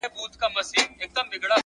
له درېيم کوره راغلې څه ځلا ده!